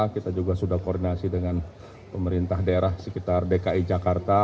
kita juga sudah koordinasi dengan pemerintah daerah sekitar dki jakarta